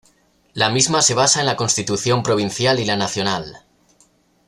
La misma se basa en la constitución provincial y la nacional.